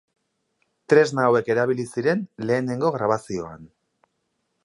Tresna hauek erabili ziren lehenengo grabazioan.